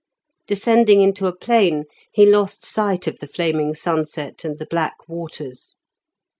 Descending into a plain, he lost sight of the flaming sunset and the black waters.